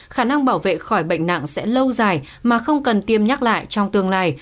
khả năng bảo vệ khỏi bệnh nặng sẽ lâu dài mà không cần tiêm nhắc lại trong tương lai